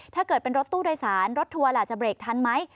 ถ้าเกิดเป็นรถตู้โดยสารรถทัวร์ล่ะจะเบรกทันไหม